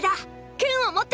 剣を持って！！